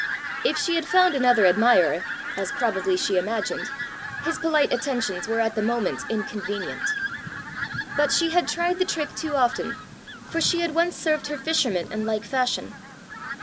If she had found another admirer, as probably she imagined, his polite attentions were at the moment inconvenient! But she had tried the trick too often, for she had once served her fisherman in like fashion.